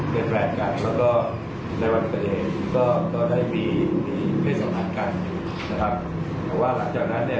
ผ่านจากทำงานนั้นแล้ว